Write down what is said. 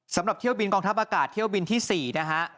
สำหรับเที่ยวบินกองทัพอากาศเที่ยวบินที่๔นะฮะ